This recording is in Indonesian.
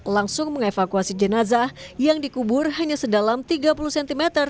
langsung mengevakuasi jenazah yang dikubur hanya sedalam tiga puluh cm